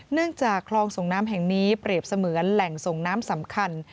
จากคลองส่งน้ำแห่งนี้เปรียบเสมือนแหล่งส่งน้ำสำคัญ